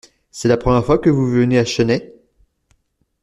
C’est la première fois que vous venez à Chennai ?